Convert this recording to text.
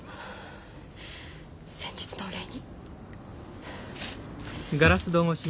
先日のお礼に。